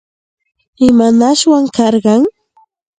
¿Imanashwan karqan?